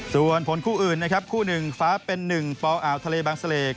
ส่วนผลคู่อื่นนะครับคู่หนึ่งฟ้าเป็นหนึ่งป่าวอ่าวทะเลบางเสลค์